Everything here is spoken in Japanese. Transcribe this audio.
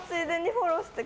フォローして！